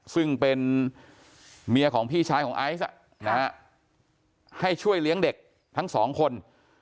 ซึ่งเป็นเมียของพี่ชายของไอซ์ให้ช่วยเลี้ยงเด็กทั้งสองคน